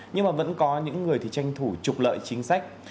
nhưng vẫn có những người tranh thủ trục lợi chính sách